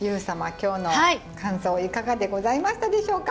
今日の感想いかがでございましたでしょうか？